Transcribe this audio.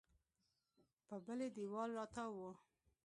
په بلې دېوال راتاو و.